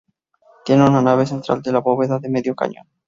Tiene una nave central de bóveda de medio cañón.